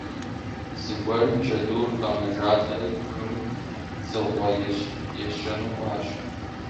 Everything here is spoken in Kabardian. Зэгуэрым джэдур къэмэжалӀэри, бгым дзыгъуэ ещэну кӀуащ.